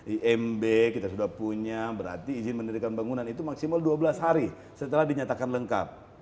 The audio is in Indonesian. imb kita sudah punya berarti izin mendirikan bangunan itu maksimal dua belas hari setelah dinyatakan lengkap